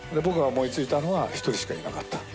僕が思いついたのは一人しかいなかった。